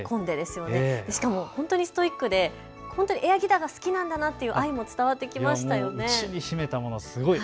しかも本当にストイックでエアギターが好きなんだなという愛も伝わってきましたよね。